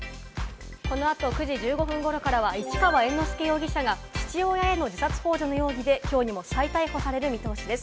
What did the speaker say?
この後、９時１５分ごろからは市川猿之助容疑者が父親への自殺ほう助の容疑できょうにも再逮捕される見通しです。